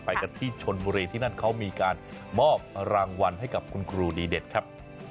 กันที่ชนบุรีที่นั่นเขามีการมอบรางวัลให้กับคุณครูดีเด็ดครับ